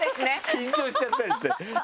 緊張しちゃったりして。